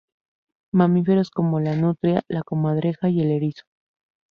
Mamíferos como la nutria, la comadreja y el erizo.